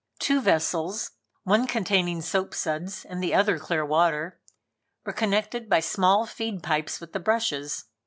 Two vessels, one containing soap suds and the other clear water, were connected by small feed pipes with the brushes.